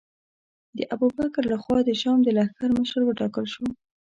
د ابوبکر له خوا د شام د لښکر مشر وټاکل شو.